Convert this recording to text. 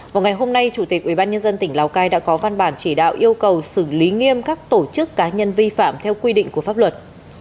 vào ngày hôm nay chủ tịch ubnd tỉnh lào cai đã có văn bản chỉ đạo yêu cầu xử lý nghiêm các tổ chức cá nhân vi phạm theo quy định của pháp luật